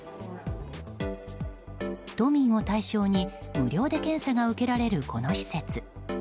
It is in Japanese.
都民を対象に無料で検査が受けられるこの施設。